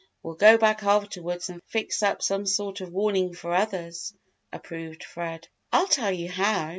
We'll go back afterwards and fix up some sort of warning for others," approved Fred. "I'll tell you how!